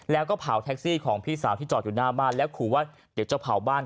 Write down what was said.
แล้วก็เผาแท็กซี่ของพี่สาวที่จอดอยู่หน้าบ้านแล้วขู่ว่าเดี๋ยวจะเผาบ้าน